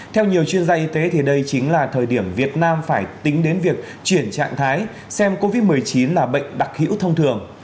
theo nhiều chuyên gia y tế đây chính là thời điểm việt nam phải tính đến việc chuyển trạng thái xem covid một mươi chín là bệnh đặc hữu thông thường